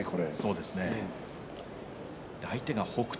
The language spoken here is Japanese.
相手は北勝